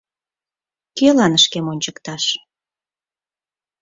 Кӧлан шкем ончыкташ?